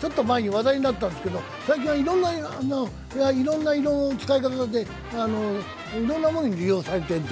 ちょっと前に話題になったんですけど、最近はいろんな色の使い方でいろんなものに利用されているという。